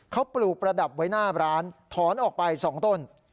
เขาปลูกประดับไว้หน้าร้านถอนออกไป๒ต้น